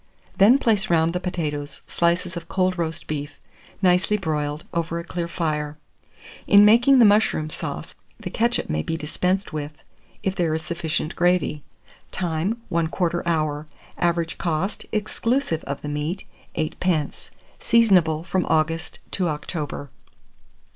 Then place round the potatoes slices of cold roast beef, nicely broiled, over a clear fire. In making the mushroom sauce, the ketchup may be dispensed with, if there is sufficient gravy. Time. 1/4 hour. Average cost, exclusive of the meat, 8d. Seasonable from August to October.